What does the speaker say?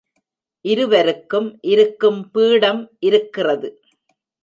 இருவருக்கும் இருக்கும் பீடம் இருக்கிறது.